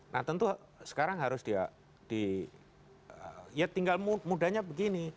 nah tentu sekarang harus dia di ya tinggal mudanya begini